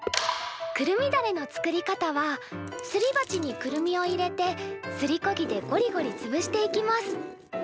くるみだれの作り方はすりばちにくるみを入れてすりこぎでゴリゴリつぶしていきます。